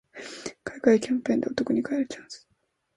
買い換えキャンペーンでお得に買えるチャンス